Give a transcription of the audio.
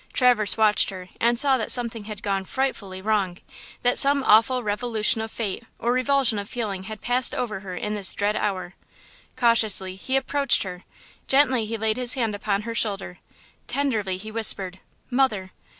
Traverse watched her and saw that something had gone frightfully wrong; that some awful revolution of fate or revulsion of feeling had passed over her in this dread hour! Cautiously he approached her, gently he laid his hand upon her shoulder, tenderly he whispered: "Mother!"